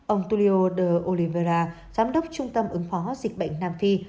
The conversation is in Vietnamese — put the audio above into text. ông tulio de olivera giám đốc trung tâm ứng phó dịch bệnh nam phi